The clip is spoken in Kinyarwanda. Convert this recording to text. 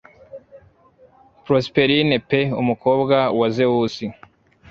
Prosperine pe umukobwa wa Zewusi.